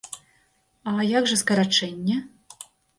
А як жа скарачэнне?